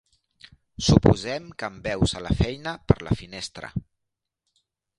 Suposem que em veus a la feina per la finestra.